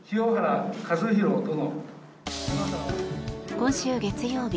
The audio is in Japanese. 今週月曜日